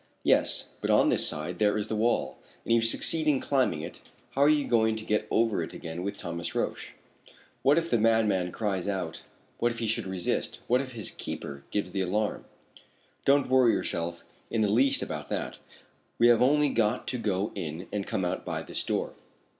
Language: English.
"Yes, but on this side there is the wall, and if you succeed in climbing it, how are you going to get over it again with Thomas Roch? What if the madman cries out what if he should resist what if his keeper gives the alarm?" "Don't worry yourself in the least about that. We have only got to go in and come out by this door."